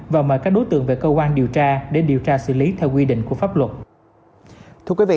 và mời các đối tượng về cơ quan điều tra để điều tra xử lý theo quy định của pháp luật